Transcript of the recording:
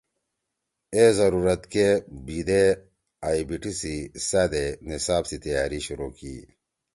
اے ضرورت کے بیِدے آئی بی ٹی سی سأدے نصاب سی تیاری شروع کی۔